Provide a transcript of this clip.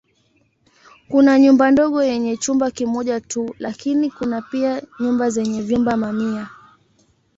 Kuna nyumba ndogo yenye chumba kimoja tu lakini kuna pia nyumba zenye vyumba mamia.